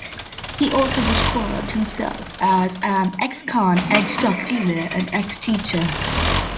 He also described himself as an "ex-con, ex-drug dealer and ex-teacher".